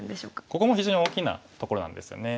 ここも非常に大きなところなんですよね。